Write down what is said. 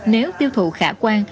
nếu tiêu thụ khả quan